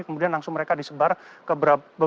kemudian langsung mereka disebar ke ruangan tersebut